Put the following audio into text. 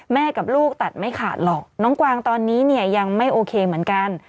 กับลูกตัดไม่ขาดหรอกน้องกวางตอนนี้เนี่ยยังไม่โอเคเหมือนกัน